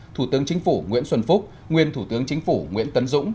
thủ tướng chính phủ nguyễn xuân phúc nguyên thủ tướng chính phủ nguyễn tấn dũng